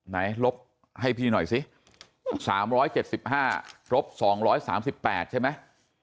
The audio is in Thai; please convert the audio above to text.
ลบให้พี่หน่อยสิ๓๗๕ลบ๒๓๘ใช่ไหม